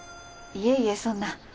いえいえそんな。